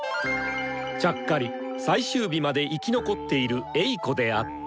ちゃっかり最終日まで生き残っているエイコであった。